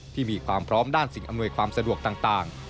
ที่มีความพร้อมด้านสิ่งอำนวยความสะดวกต่าง